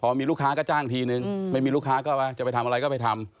พอมีลูกค้าก็จ้างทีนึงไม่มีลูกค้าก็จะไปทำอะไรก็ไปทำ